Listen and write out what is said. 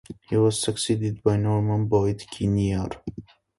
He was succeeded by Norman Boyd Kinnear.